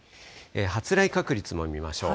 発雷確率も見ましょう。